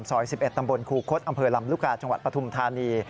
ซอย๑๑ตำบลครูคดอำเภอลำลูกกาจังหวัดปฐุมธานี